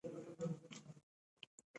هغه انځور،